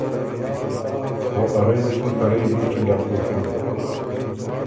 او اَ رئ دی بُو ته رئ لیچي ډک بُکِن۔